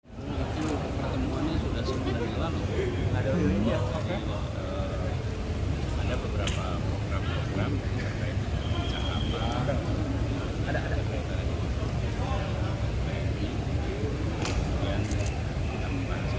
pertemuan ini sudah sebulan yang lama ada beberapa program program yang saya baca sama ada ada kita membahas bersama bahasannya di banyak pusat